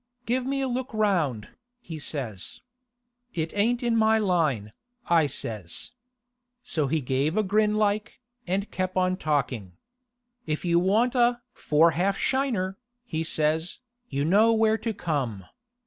Give me a look round," he says. "It ain't in my line," I says. So he gave a grin like, and kep' on talking. "If you want a four half shiner," he says, "you know where to come.